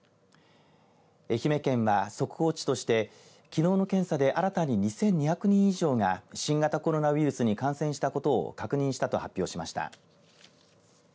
愛媛県は速報値としてきのうの検査で新たに２２００人以上が新型コロナウイルスに感染したことを確認したと発表しました。